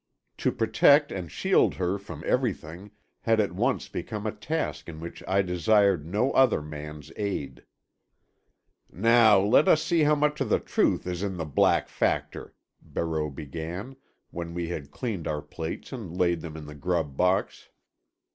To protect and shield her from everything had at once become a task in which I desired no other man's aid. "Now let us see how much of the truth is in the Black Factor," Barreau began, when we had cleaned our plates and laid them in the grub box.